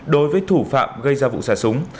đối với thủ phạm gây ra vụ xả súng